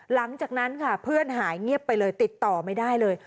หลังจากนั้นค่ะเพื่อนหายเงียบไปเลยติดต่อไม่ได้เลย